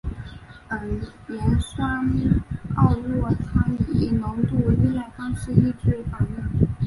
盐酸奥洛他定以浓度依赖方式抑制反应。